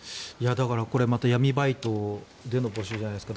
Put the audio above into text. だから、また闇バイトでの募集じゃないですか。